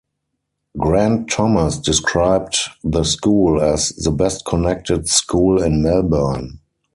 Grant Thomas described the school as 'the best-connected school in Melbourne'.